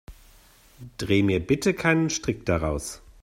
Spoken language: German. Dreh mir bitte keinen Strick daraus.